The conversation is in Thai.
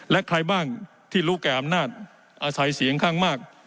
และใครบ้างที่รู้แก่อำนาจอาศัยเสียงข้างมาก